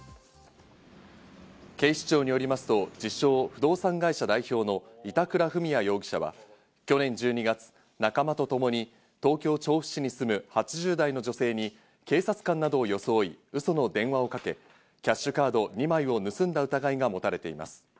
警視庁によりますと、自称不動産会社代表の板倉史也容疑者は、去年１２月、仲間とともに東京・調布市に住む８０代の女性に警察官などを装いウソの電話をかけ、キャッシュカード２枚を盗んだ疑いが持たれています。